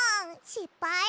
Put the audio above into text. しっぱい。